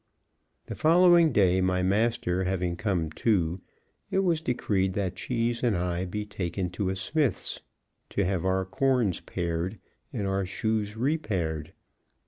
The following day, my master having come to, it was decreed that Cheese and I be taken to a smith's to have our corns pared, and our shoes repaired.